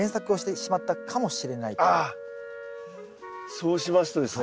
そうしますとですね